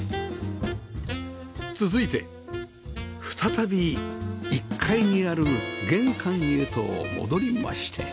続いて再び１階にある玄関へと戻りまして